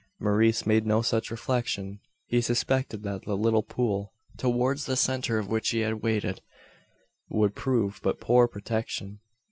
Maurice made no such reflection. He suspected that the little pool, towards the centre of which he had waded, would prove but poor protection.